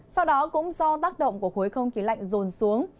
sau đó cũng do tác động của khối không khí lạnh rồn xuống